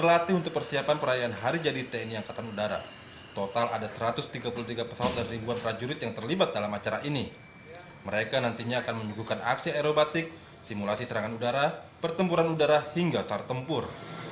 aksi aerobatik simulasi serangan udara pertempuran udara hingga tartempur